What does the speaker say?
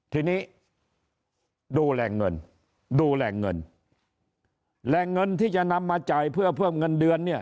ทีนี้ดูแหล่งเงินแหล่งเงินที่จะนำมาจ่ายเพื่อเพิ่มเงินเดือน